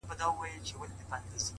خدايه ته لوی يې،